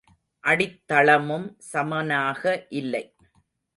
அடித்தளமும் சமனாக இல்லை.